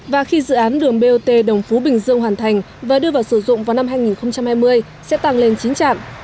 và khi dự án đường bot đồng phú bình dương hoàn thành và đưa vào sử dụng vào năm hai nghìn hai mươi sẽ tăng lên chín trạm